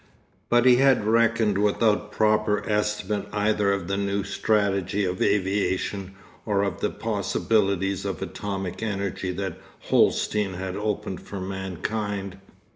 But he had reckoned without a proper estimate either of the new strategy of aviation or of the possibilities of atomic energy that Holsten had opened for mankind.